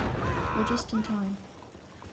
We're just in time.